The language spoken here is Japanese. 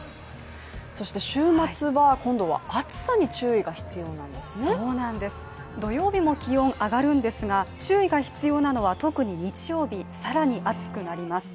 そして週末は今度は暑さに注意が必要なんです土曜日も気温上がるんですが、注意が必要なのは特に日曜日、さらに暑くなります。